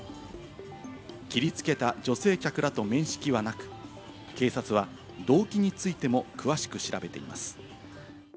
切りつけた女性客らと面識はなく、警察は動機についても詳しく調べています。